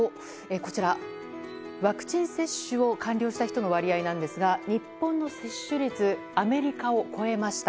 こちら、ワクチン接種を完了した人の割合なんですが日本の接種率アメリカを超えました。